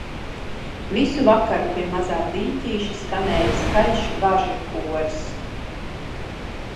Visu vakaru pie mazā dīķīša skanēja skaļš varžu koris